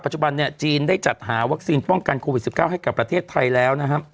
จุบันเนี่ยจีนได้จัดหาวัคซีนป้องกันโควิด๑๙ให้กับประเทศไทยแล้วนะครับ